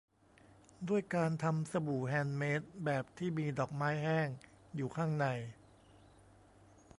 ด้วยการทำสบู่แฮนด์เมดแบบที่มีดอกไม้แห้งอยู่ข้างใน